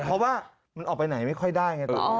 เพราะว่าออกไปไหนไม่ค่อยได้